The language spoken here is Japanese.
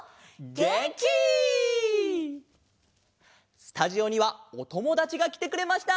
スタジオにはおともだちがきてくれました！